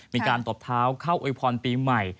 ตบเท้าเข้าอวยพรปีใหม่